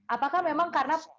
apakah memang karena